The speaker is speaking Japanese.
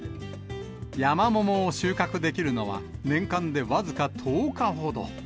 ヤマモモを収穫できるのは、年間で僅か１０日ほど。